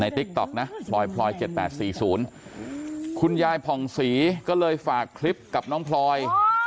ในติ๊กต๊อกนะปลอยพลอยเจ็ดแปดสี่ศูนย์คุณยายผ่องศรีก็เลยฝากคลิปกับน้องพลอย